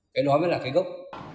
cái đó mới là cái gốc